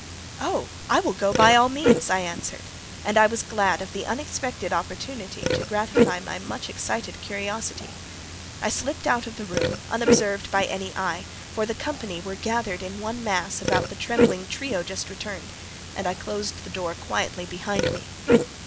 "Oh, I will go by all means," I answered: and I was glad of the unexpected opportunity to gratify my much excited curiosity. I slipped out of the room, unobserved by any eye—for the company were gathered in one mass about the trembling trio just returned—and I closed the door quietly behind me.